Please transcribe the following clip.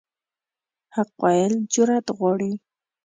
حق ویل جرأت غواړي.